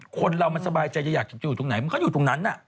คนเรามันสบายใจจะอยากอยู่ตรงไหนเพราะเขาอยู่ตรงนั้นน่ะ